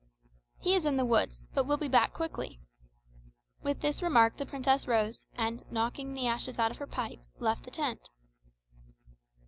"He is in the woods, but will be back quickly." With this remark the princess rose, and knocking the ashes out of her pipe, left the tent.